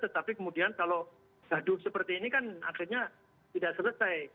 tetapi kemudian kalau gaduh seperti ini kan akhirnya tidak selesai